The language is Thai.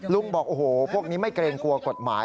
บอกโอ้โหพวกนี้ไม่เกรงกลัวกฎหมาย